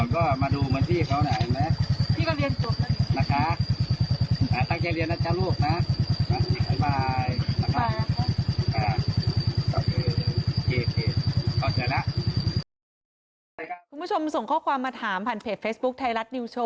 คุณผู้ชมส่งข้อความมาถามผ่านเพจเฟซบุ๊คไทยรัฐนิวโชว